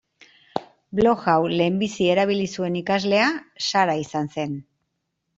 Blog hau lehenbizi erabili zuen ikaslea Sara izan zen.